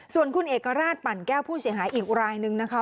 ส่วนคุณเอกราชปั่นแก้วผู้เสียหายอีกรายนึงนะคะ